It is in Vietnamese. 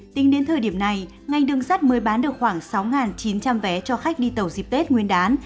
tính đến thời điểm này ngành đường sắt mới bán được khoảng sáu chín trăm linh vé cho khách đi tàu dịp tết nguyên đán